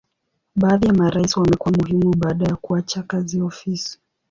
Baadhi ya marais wamekuwa muhimu baada ya kuacha kazi ofisi.